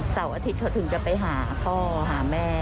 อาทิตย์เขาถึงจะไปหาพ่อหาแม่